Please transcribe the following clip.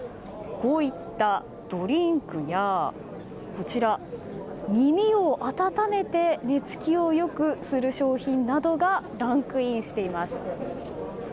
こういったドリンクや耳を温めて寝つきをよくする商品などがランクインしています。